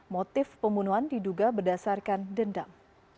motif pembunuhan diduga berdasarkan dendam